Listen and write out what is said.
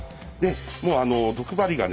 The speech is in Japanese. もう毒針がね